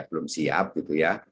belum siap gitu ya